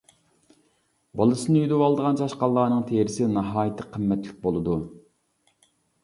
بالىسىنى يۈدۈۋالىدىغان چاشقانلارنىڭ تېرىسى ناھايىتى قىممەتلىك بولىدۇ.